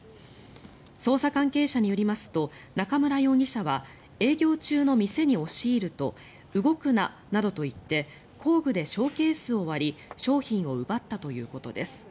捜査関係者によりますと中村容疑者は営業中の店に押し入ると動くななどと言って工具でショーケースを割り商品を奪ったということです。